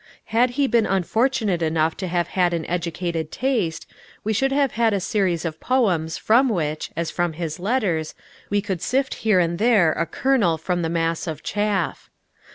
Had he been unfortunate enough to have had an educated taste, we should have had a series of poems from which, as from his letters, we could sift here and there a kernel from the mass of chaff.